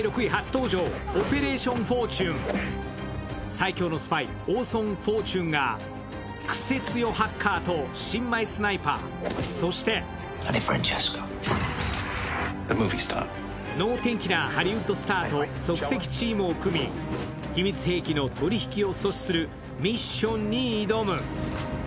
最強のスパイ、オーソン・フォーチュンがくせ強ハッカーと新米スナイパー、そして脳天気なハリウッドスターと即席チームを組み秘密兵器の取り引きを阻止するミッションに挑む。